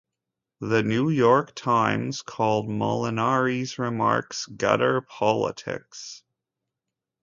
"The New York Times" called Molinari's remarks, "gutter politics.